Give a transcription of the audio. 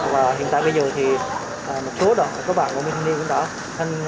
và hiện tại bây giờ thì một số đội các bạn của mình cũng đã tham gia trung phong